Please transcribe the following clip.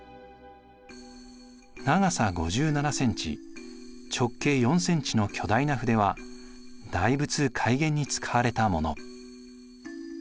長さ５７センチ直径４センチの巨大な筆は大仏開眼に使われたもの。